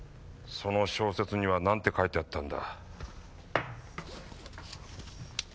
その小説には何て書いてあったんだ？